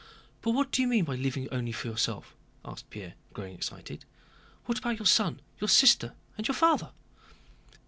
"But what do you mean by living only for yourself?" asked Pierre, growing excited. "What about your son, your sister, and your father?"